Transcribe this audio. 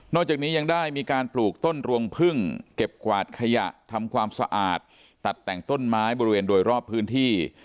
จากนี้ยังได้มีการปลูกต้นรวงพึ่งเก็บกวาดขยะทำความสะอาดตัดแต่งต้นไม้บริเวณโดยรอบพื้นที่